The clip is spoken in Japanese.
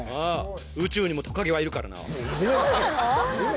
宇宙にもトカゲはいるからなそうなの！？